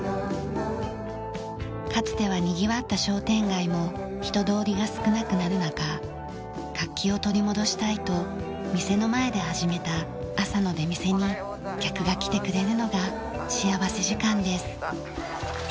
かつてはにぎわった商店街も人通りが少なくなる中活気を取り戻したいと店の前で始めた朝の出店に客が来てくれるのが幸福時間です。